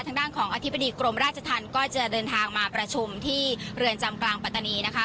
ทางด้านของอธิบดีกรมราชธรรมก็จะเดินทางมาประชุมที่เรือนจำกลางปัตตานีนะคะ